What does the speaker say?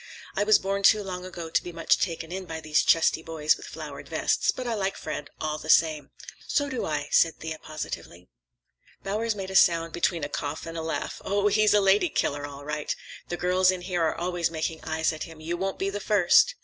I was born too long ago to be much taken in by these chesty boys with flowered vests, but I like Fred, all the same." "So do I," said Thea positively. Bowers made a sound between a cough and a laugh. "Oh, he's a lady killer, all right! The girls in here are always making eyes at him. You won't be the first."